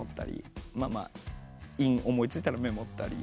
韻思い付いたらメモったり。